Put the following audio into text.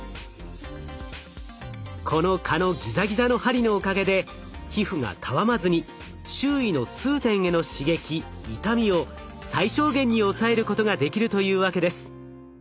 この蚊のギザギザの針のおかげで皮膚がたわまずに周囲の痛点への刺激痛みを最小限に抑えることができるというわけです。